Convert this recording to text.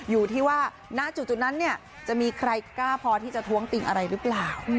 อยู่ที่ว่าณจุดนั้นเนี่ยจะมีใครกล้าพอที่จะท้วงติงอะไรหรือเปล่า